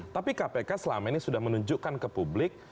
tapi kpk selama ini sudah menunjukkan ke publik